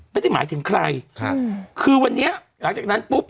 ไม่ได้หมายถึงใครครับคือวันนี้หลังจากนั้นปุ๊บ